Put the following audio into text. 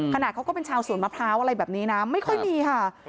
ขนาดเขาก็เป็นชาวสวนมะพร้าวอะไรแบบนี้นะไม่ค่อยมีค่ะ